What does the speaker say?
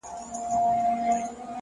ریښتینی ځواک په ځان کنټرول کې دی!.